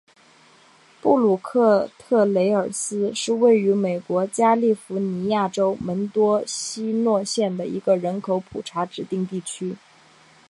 布鲁克特雷尔斯是位于美国加利福尼亚州门多西诺县的一个人口普查指定地区。